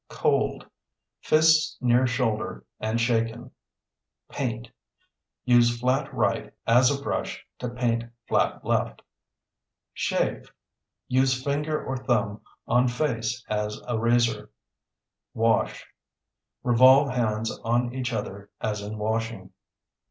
Cold (Fists near shoulder and shaken). Paint (Use flat right as a brush to paint flat left). Shave (Use finger or thumb on face as a razor). Wash (Revolve hands on each other as in washing).